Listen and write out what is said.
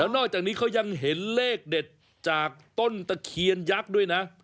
นอกจากนี้เขายังเห็นเลขเด็ดจากต้นตะเคียนยักษ์ด้วยนะ